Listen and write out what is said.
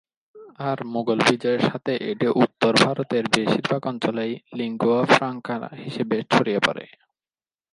আর মুঘল বিজয়ের সাথে এটি উত্তর ভারতের বেশিরভাগ অঞ্চলেই লিঙ্গুয়া ফ্রাঙ্কা হিসেবে ছড়িয়ে পড়ে।